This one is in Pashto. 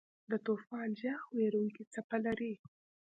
د طوفان ږغ وېرونکې څپه لري.